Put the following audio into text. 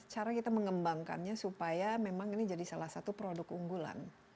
cara kita mengembangkannya supaya memang ini jadi salah satu produk unggulan